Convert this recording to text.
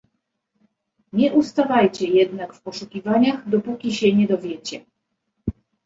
"Nie ustawajcie jednak w poszukiwaniach, dopóki się nie dowiecie."